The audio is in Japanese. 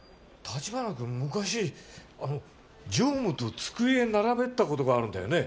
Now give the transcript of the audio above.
橘君昔常務と机並べてた事があるんだよね？